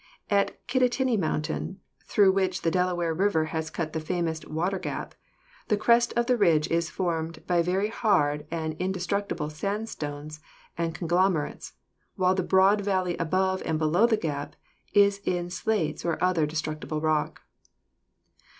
At Kittatinny Mountain, through which the Delaware River has cut the famous Water Gap, the crest of the ridge is formed by very hard and inde structible sandstones and conglomerates, while the broad valley above and below the gap is in slates or other de structible rock.